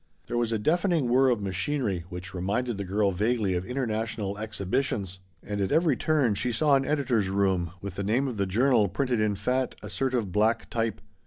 There was a deafening whirr of machinery which reminded the girl vaguely of interna tional exhibitions and at every turn she saw an editor's room, with the name of the jour nal printed in fat, assertive black type.